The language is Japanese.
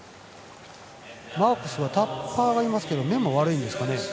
マークスはタッパーがいますけど目も悪いですかね。